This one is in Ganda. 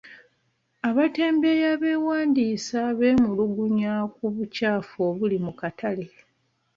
Abatembeeyi abeewandiisa beemulugunya ku bukyafu obuli mu katale.